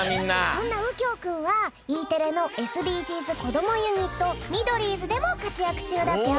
そんなうきょうくんはＥテレのＳＤＧｓこどもユニットミドリーズでもかつやくちゅうだぴょん。